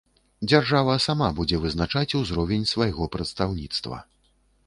Дзяржава сама будзе вызначаць узровень свайго прадстаўніцтва.